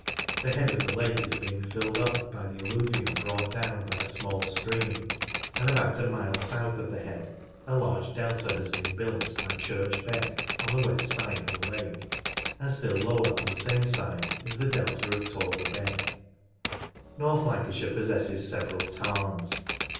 The head of the lake is being filled up by the alluvium brought down by a small stream, and about a mile south of the head a large delta has been built LAKES .9 by Church Beck on the west side of the hike, and still lower on the same side is the delta of Toner Beck. North Lancashire possesses several tarns.